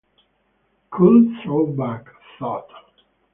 Cool throwback, though!